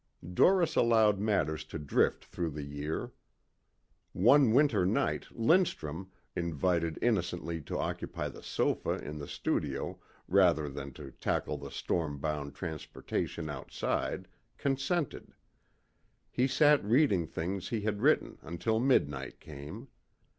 Doris allowed matters to drift through the year. One winter night Lindstrum, invited innocently to occupy the sofa in the studio rather than to tackle the storm bound transportation outside, consented. He sat reading things he had written until midnight came.